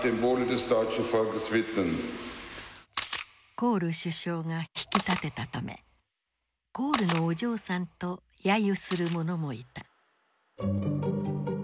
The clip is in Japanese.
コール首相が引き立てたため「コールのお嬢さん」と揶揄する者もいた。